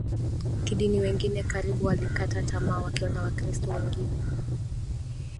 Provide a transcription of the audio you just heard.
kidini Wengine karibu walikata tamaa wakiona Wakristo wengine